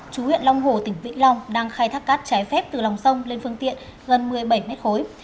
chú huyện long hồ tỉnh vĩnh long đang khai thác cát trái phép từ lòng sông lên phương tiện gần một mươi bảy mét khối